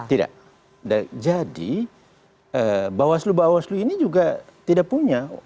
tidak jadi bawaslu bawaslu ini juga tidak punya